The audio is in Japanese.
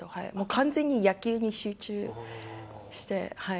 完全に野球に集中してる。